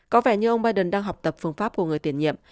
có vẻ như ông biden đang học tập phương pháp của người tiền nhiệm